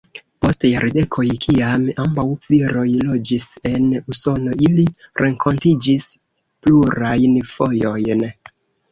Post jardekoj kiam ambaŭ viroj loĝis en Usono, ili renkontiĝis plurajn fojojn.